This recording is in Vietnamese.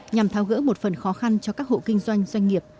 nhằm tháo gỡ một phần khó khăn cho các hộ kinh doanh doanh nghiệp